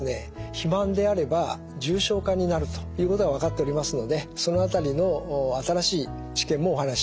肥満であれば重症化になるということが分かっておりますのでその辺りの新しい知見もお話ししたいと思っております。